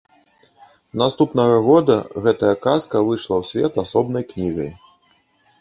Наступнага года гэтая казка выйшла ў свет асобнай кнігай.